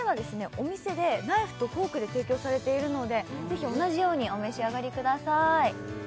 お店でナイフとフォークで提供されているのでぜひ同じようにお召し上がりください